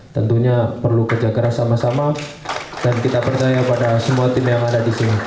tentunya perlu kerja keras sama sama dan kita percaya pada semua tim yang ada di sini